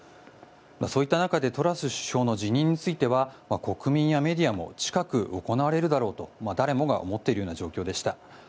そういった中でトラス首相の辞任については国民やメディアも近く、行われるだろうと誰もが思っているような状況でした。